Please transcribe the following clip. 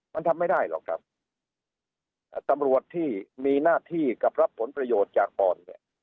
มันทำไม่ได้หรอกครับตำรวจที่มีหน้าที่กับรับผลประโยชน์จากอ่อนเนี่ย